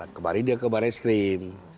kemarin dia ke baris krim